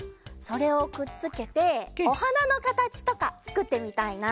それをくっつけておはなのかたちとかつくってみたいな。